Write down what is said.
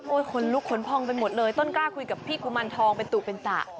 ขนลุกขนพองไปหมดเลยต้นกล้าคุยกับพี่กุมารทองเป็นตุเป็นตะ